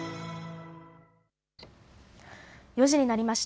４時になりました。